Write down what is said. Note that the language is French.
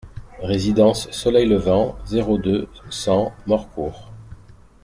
Résidence Soleil Levant, zéro deux, cent Morcourt